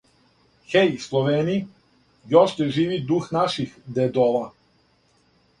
Хеј, Словени, јоште живи дух наших дедова.